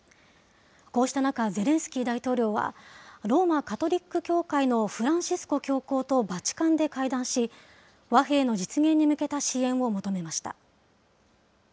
こうした中、ゼレンスキー大統領はローマ・カトリック教会のフランシスコ教皇とバチカンで会談し、和平の実現に向けた支援を求めました。